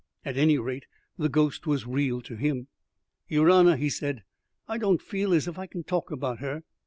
At any rate, the ghost was real to him. "Yer honour," he said, "I don't feel as if I can talk about her.